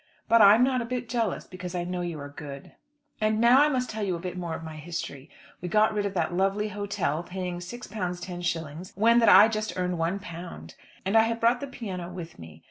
But I am not a bit jealous, because I know you are good. And now I must tell you a bit more of my history. We got rid of that lovely hotel, paying £6 10s., when that just earned £1. And I have brought the piano with me.